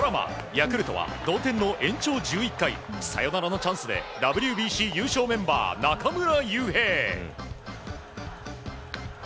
ヤクルトは同点の延長１１回サヨナラのチャンスでＷＢＣ優勝メンバーの中村悠平。